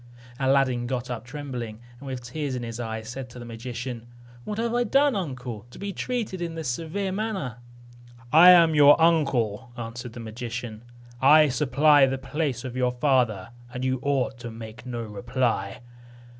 Aladdin got up trembling, and with tears in his eyes said to the magician, "What have I done, uncle, to be treated in this severe manner?" "I am your uncle," answered the magician; "I supply the place of your father, and you ought to make no reply.